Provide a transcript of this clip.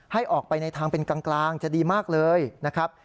ให้ออกไปในทางเป็นกลางจะดีมากเลยนะครับ